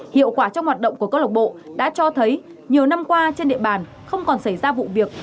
hiệu quả trong hoạt động của cơ lộc bộ đã cho thấy nhiều năm qua trên địa bàn không còn xảy ra vụ việc